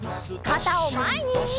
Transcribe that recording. かたをまえに！